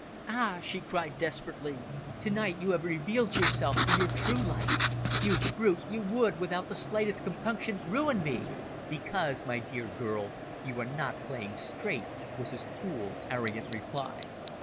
"Ah!" she cried desperately, "to night you have revealed yourself in your true light! You brute, you would, without the slightest compunction, ruin me!" "Because, my dear girl, you are not playing straight," was his cool, arrogant reply.